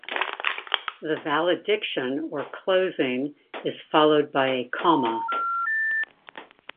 The valediction or closing is followed by a comma.